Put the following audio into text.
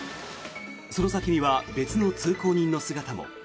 その先には別の通行人の姿も。